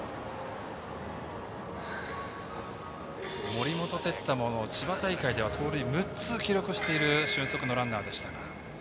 森本哲太も千葉大会では盗塁６つ記録している俊足のランナーでした。